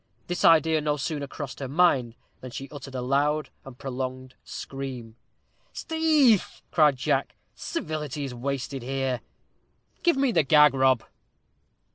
This idea no sooner crossed her mind than she uttered a loud and prolonged scream. "'Sdeath!" cried Jack; "civility is wasted here. Give me the gag, Rob."